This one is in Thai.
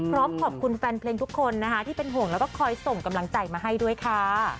พร้อมขอบคุณแฟนเพลงทุกคนนะคะที่เป็นห่วงแล้วก็คอยส่งกำลังใจมาให้ด้วยค่ะ